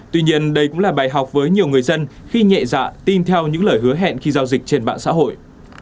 tuy nhiên đây cũng là bài học với nhiều người dân khi nhẹ dạ tin theo những lời hứa hẹn khi giao dịch trên mạng xã hội